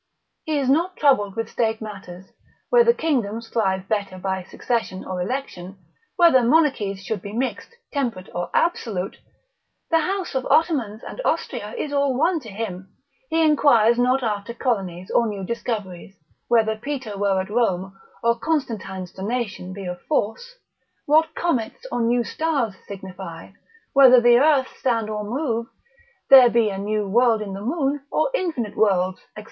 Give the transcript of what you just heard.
He is not troubled with state matters, whether kingdoms thrive better by succession or election; whether monarchies should be mixed, temperate, or absolute; the house of Ottomans and Austria is all one to him; he inquires not after colonies or new discoveries; whether Peter were at Rome, or Constantine's donation be of force; what comets or new stars signify, whether the earth stand or move, there be a new world in the moon, or infinite worlds, &c.